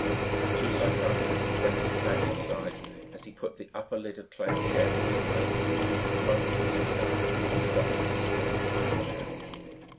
The two psychiatrists went to Thaddeus' side as he put the upper lid of clay carefully in place. Funston stood up and the doctors escorted him from the shack.